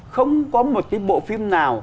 không có một cái bộ phim nào